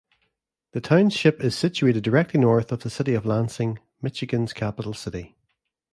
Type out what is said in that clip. The township is situated directly north of the city of Lansing, Michigan's capital city.